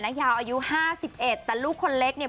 ยาวอายุ๕๑แต่ลูกคนเล็กเนี่ย